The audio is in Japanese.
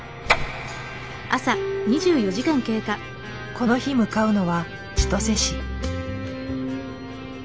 この日向かうのは千歳市。